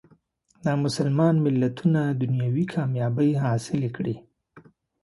نامسلمان ملتونه دنیوي کامیابۍ حاصلې کړي.